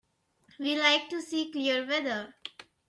We like to see clear weather.